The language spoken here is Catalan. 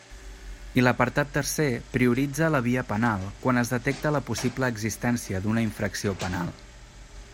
I l'apartat tercer prioritza la via penal quan es detecta la possible existència d'una infracció penal.